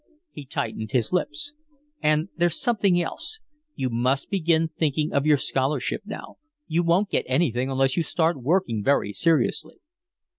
He tightened his lips. "And there's something else. You must begin thinking of your scholarship now. You won't get anything unless you start working very seriously."